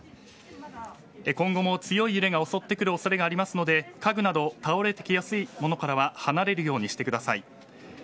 今後も強い揺れが襲ってくる恐れがありますので家具など倒れてきやすい物からは離れるようにしてください。